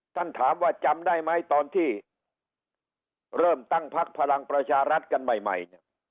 ท่านถามว่าจำได้ไหมตอนที่เริ่มตั้งพักพลังประชารัฐกันใหม่เนี่ย